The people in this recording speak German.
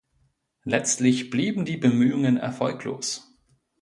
Letztlich blieben die Bemühungen erfolglos.